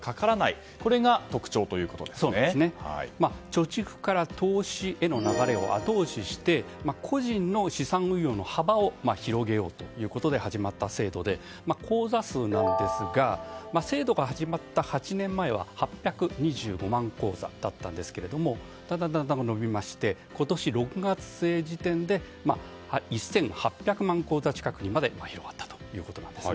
貯蓄から投資への流れを後押しして個人の資産運用の幅を広げようということで始まった制度で口座数なんですが制度が始まった８年前は８２５万口座だったんですけどもだんだん伸びまして今年６月末時点で１８００万口座近くにまで広がったということなんです。